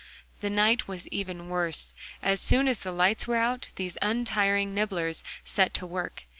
The night was even worse. As soon as the lights were out, these untiring nibblers set to work.